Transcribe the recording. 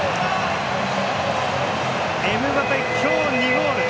エムバペ、今日２ゴール。